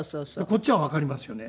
こっちはわかりますよね。